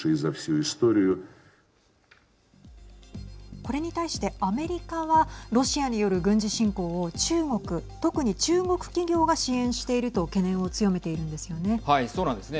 これに対してアメリカはロシアによる軍事侵攻を中国特に中国企業が支援していると懸念を強めているんですよね。